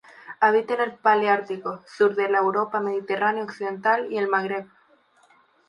Habita en el paleártico: sur de la Europa mediterránea occidental y el Magreb.